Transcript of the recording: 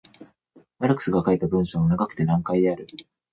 マルクスが書いた文章は長くて難解である。